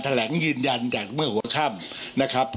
แถลงยืนยันจากเมื่อหัวค่ำนะครับ